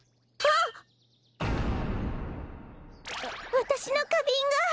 わたしのかびんが！